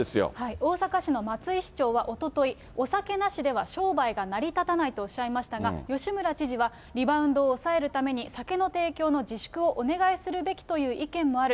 大阪市の松井市長はおととい、お酒なしでは商売が成り立たないとおっしゃいましたが、吉村知事はリバウンドを抑えるために、酒の提供の自粛をお願いするべきという意見もある。